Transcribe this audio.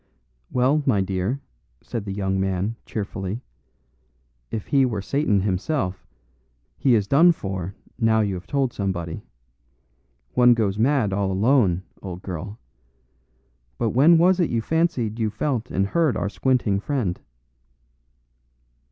"Well, my dear," said the young man, cheerfully, "if he were Satan himself, he is done for now you have told somebody. One goes mad all alone, old girl. But when was it you fancied you felt and heard our squinting friend?"